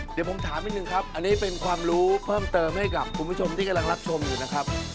เดี๋ยวผมถามนิดนึงครับอันนี้เป็นความรู้เพิ่มเติมให้กับคุณผู้ชมที่กำลังรับชมอยู่นะครับ